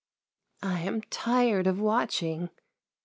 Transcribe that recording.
" I am tired of watching.